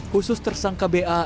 khusus tersangka ba